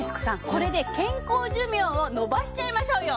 これで健康寿命を延ばしちゃいましょうよ！